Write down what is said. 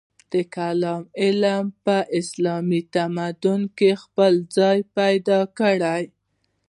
د کلام علم په اسلامي تمدن کې خپل ځای پیدا کړ.